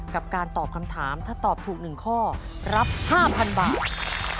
กับการตอบคำถามถ้าตอบถูก๑ข้อรับ๕๐๐๐บาท